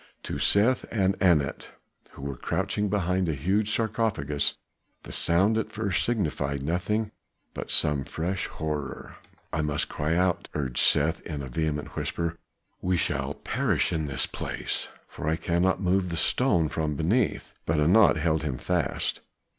To Seth and Anat, who were crouching behind a huge sarcophagus, the sound at first signified nothing but some fresh horror. "I must cry out," urged Seth in a vehement whisper. "We shall perish in this place, for I cannot move the stone from beneath." But Anat held him fast.